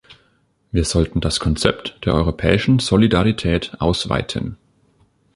Wir sollten das Konzept der europäischen Solidarität ausweiten.